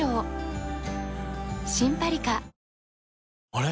あれ？